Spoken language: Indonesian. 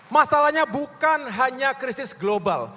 masalahnya bukan hanya krisis global